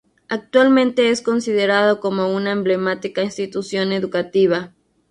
Actualmente es considerado como una Emblemática Institución Educativa.